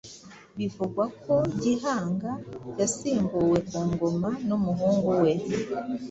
Bivugwa ko Gihanga yasimbuwe ku ngoma n’umuhungu we